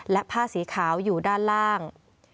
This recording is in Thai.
และผ้าสีขาวอยู่ด้านล่าง